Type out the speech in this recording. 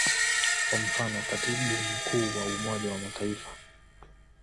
Kwa mfano, Katibu Mkuu wa Umoja wa Mataifa.